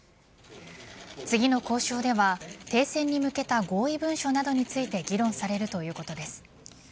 次の交渉では停戦に向けた合意文書などについて議論されるということです。